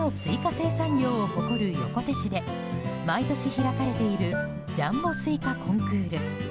生産量を誇る横手市で毎年開かれているジャンボスイカコンクール。